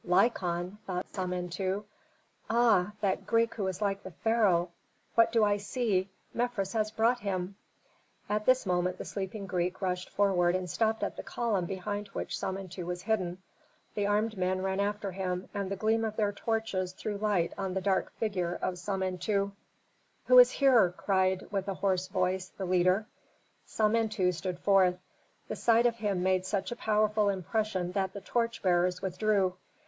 "Lykon?" thought Samentu. "Ah, that Greek who is like the pharaoh. What do I see? Mefres has brought him!" At this moment the sleeping Greek rushed forward and stopped at the column behind which Samentu was hidden. The armed men ran after him, and the gleam of their torches threw light on the dark figure of Samentu. "Who is here?" cried, with a hoarse voice, the leader. Samentu stood forth. The sight of him made such a powerful impression that the torch bearers withdrew.